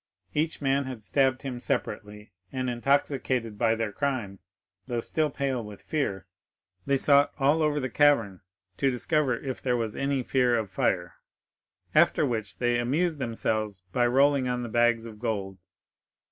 Each man had stabbed him separately, and, intoxicated by their crime, though still pale with fear, they sought all over the cavern to discover if there was any fear of fire, after which they amused themselves by rolling on the bags of gold.